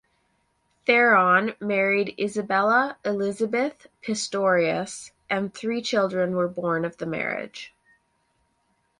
Theron married Isabella Elizabeth Pistorius and three children were born of the marriage.